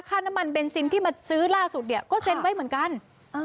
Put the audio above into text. น้ำมันเบนซินที่มาซื้อล่าสุดเนี้ยก็เซ็นไว้เหมือนกันเออ